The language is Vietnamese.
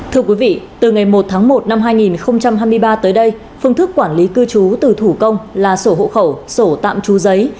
thưa quý vị từ ngày một tháng một năm hai nghìn hai mươi ba tới đây phương thức quản lý cư trú từ thủ công là sổ hộ khẩu sổ tạm trú giấy